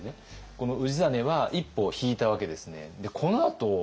この氏真は一歩引いたわけですね。